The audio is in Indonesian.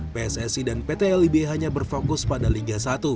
pssi dan pt lib hanya berfokus pada liga satu